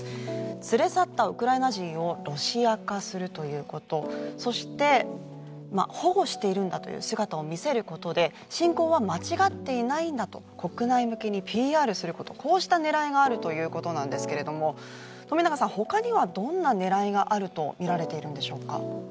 連れ去ったウクライナ人をロシア化するということそして保護しているんだという姿を見せることで侵攻は間違っていないんだと国内向けにＰＲすることこうした狙いがあるということなんですけれども富永さん他にはどんな狙いがあるとみられているんでしょうか？